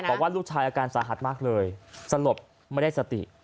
บอกว่าลูกชายอาการสาหัสมากเลยสลบไม่ได้สติ